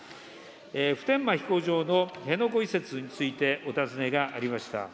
普天間飛行場の辺野古移設についてお尋ねがありました。